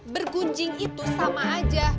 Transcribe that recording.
bergunjing itu sama aja